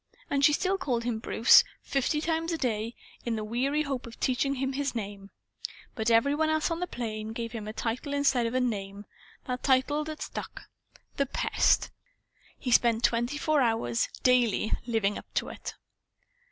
And she still called him Bruce fifty times a day in the weary hope of teaching him his name. But every one else on The Place gave him a title instead of a name a title that stuck: "The Pest." He spent twenty four hours, daily, living up to it.